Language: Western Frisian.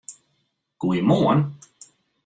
Goeiemoarn!